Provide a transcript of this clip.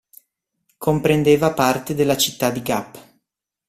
Comprendeva parte della città di Gap.